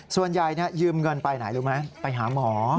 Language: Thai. ส่วนใหญ่ยืมเงินไปไหนรู้ไหมไปหาหมอ